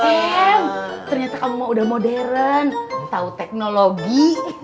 em ternyata kamu mah udah modern tau teknologi